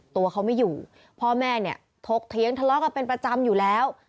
ตัวเขาไม่อยู่พ่อแม่เนี่ยถกเถียงทะเลาะกันเป็นประจำอยู่แล้ว